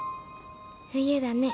冬だね。